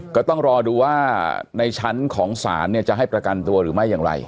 ก็ต้องรอดูว่าในชั้นของศาลจะให้ประกันตัวหรือไม่อย่างไร